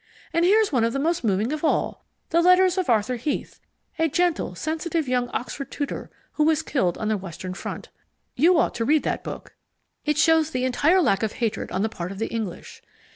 And here's one of the most moving of all The Letters of Arthur Heath, a gentle, sensitive young Oxford tutor who was killed on the Western front. You ought to read that book. It shows the entire lack of hatred on the part of the English.